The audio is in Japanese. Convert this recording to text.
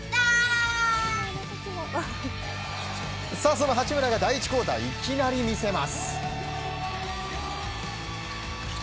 その八村が第１クオーターいきなり見せます。